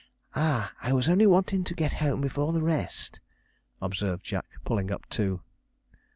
'Ah! I was only wantin' to get home before the rest,' observed Jack, pulling up too.